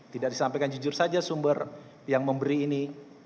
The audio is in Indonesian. tidak disampaikan jujur saja sumber yang memberi ini